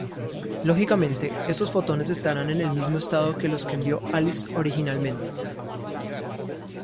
Lógicamente, esos fotones estarán en el mismo estado que los que envió Alice originalmente.